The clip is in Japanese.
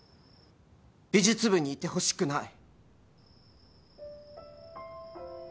美術部にいてほしくない。